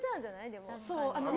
でも。